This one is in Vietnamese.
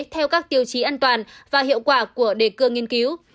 theo các tiêu chí an toàn và hiệu quả của đề cương nghiên cứu